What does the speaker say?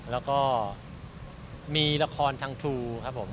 แล้วก็มีละครทางทรูครับผม